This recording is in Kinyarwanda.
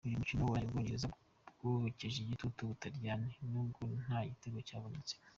Uyu mukino warangiye Ubwongereza bwokejwe igitutu n'ubutariyani n'ubwo nta gitego cyabonetsemo.